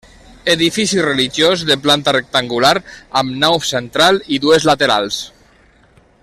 Edifici religiós de planta rectangular, amb nau central i dues laterals.